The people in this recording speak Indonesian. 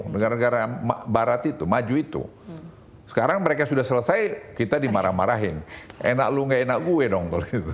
negara negara barat itu maju itu sekarang mereka sudah selesai kita dimarah marahin enak lu gak enak gue dong